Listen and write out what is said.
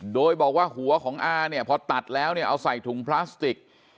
โดยบอกว่าหัวของอาเนี่ยพอตัดแล้วเนี่ยเอาใส่ถุงพลาสติก